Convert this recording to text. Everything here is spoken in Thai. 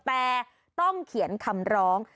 แต่ต้องเขียนคำร้อง